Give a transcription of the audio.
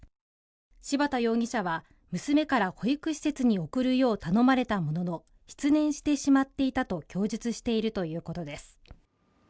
柴田容疑者は娘から保育施設に送るよう頼まれたものの失念してしまっていたと供述しているということです。